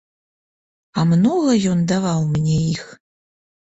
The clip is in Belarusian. А многа ён даваў мне іх?